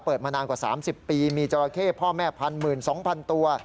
เปิดมานานกว่า๓๐ปีมีจราเข้พ่อแม่พันหมื่น๒๐๐๐ตัว